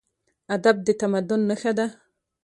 ادب د تمدن نښه ده.